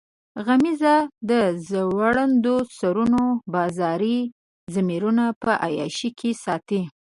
غمیزو د ځوړندو سرونو بازاري ضمیرونه په عیاشۍ کې ساتلي.